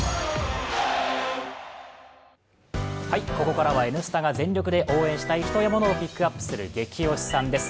ここからは「Ｎスタ」が全力で応援したい人やものをピックアップする「ゲキ推しさん」です